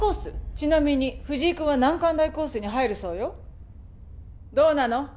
ちなみに藤井君は難関大コースに入るそうよどうなの？